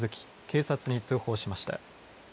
警察に通報しました。